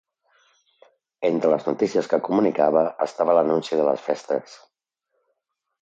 Entre les notícies que comunicava estava l'anunci de les festes.